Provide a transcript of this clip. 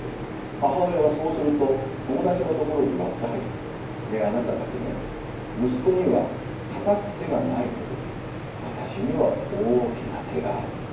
母親はそうすると友達のところに割って入って「ねえあなたたちね息子にはたたく手がないけども私には大きな手があるのよ。